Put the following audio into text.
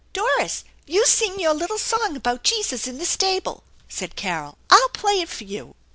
" Doris, you sing your little song about Jesus in the stable," said Carol. "HI play it for you."